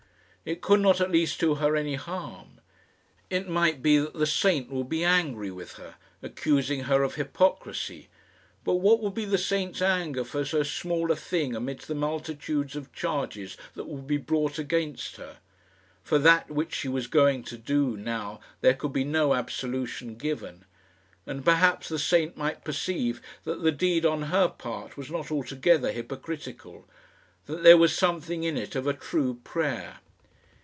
It could not at least do her any harm. It might be that the saint would be angry with her, accusing her of hypocrisy; but what would be the saint's anger for so small a thing amidst the multitudes of charges that would be brought against her? For that which she was going to do now there could be no absolution given. And perhaps the saint might perceive that the deed on her part was not altogether hypocritical that there was something in it of a true prayer.